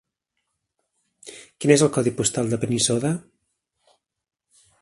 Quin és el codi postal de Benissoda?